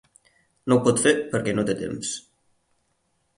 No ho pot fer perquè no té temps.